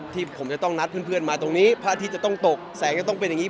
ที่ผมจะต้องนัดเพื่อนมาตรงนี้พระอาทิตย์จะต้องตกแสงจะต้องเป็นอย่างนี้